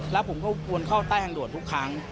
แล้วผมก็ควรเข้าใต้ทางด่วนทุกครั้ง